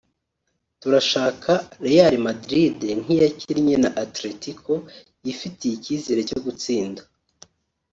turashaka Real Madrid nk’iyakinnye na Atletico yifitiye icyizere cyo gutsinda